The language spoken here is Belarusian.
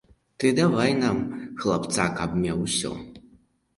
Ты давай нам хлапца, каб меў усё.